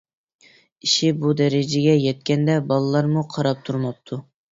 ئىش بۇ دەرىجىگە يەتكەندە بالىلارمۇ قاراپ تۇرماپتۇ.